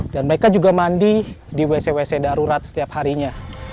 mereka juga mandi di wc wc darurat setiap harinya